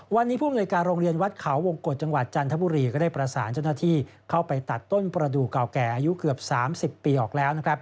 วันนี้ผู้อำนวยการโรงเรียนวัดเขาวงกฎจังหวัดจันทบุรีก็ได้ประสานเจ้าหน้าที่เข้าไปตัดต้นประดูกเก่าแก่อายุเกือบ๓๐ปีออกแล้วนะครับ